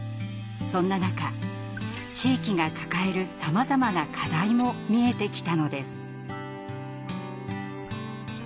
そんな中地域が抱えるさまざまな課題も見えてきたのです。